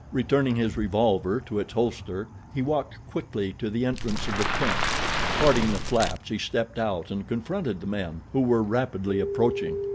Returning his revolver to its holster, he walked quickly to the entrance of the tent. Parting the flaps he stepped out and confronted the men, who were rapidly approaching.